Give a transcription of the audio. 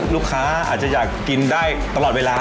ลูกค้าอาจจะอยากกินได้ตลอดเวลา